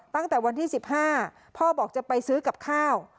ตั้งแต่วันที่๑๕พ่อบอกจะไปซื้อกับข้าว